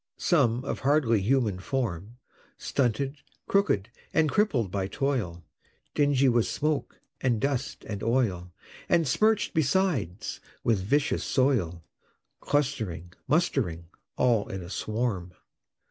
Some, of hardly human form, Stunted, crooked, and crippled by toil; Dingy with smoke and dust and oil, And smirch'd besides with vicious soil, Clustering, mustering, all in a swarm.